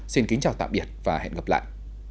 xin kính chào tạm biệt và hẹn gặp lại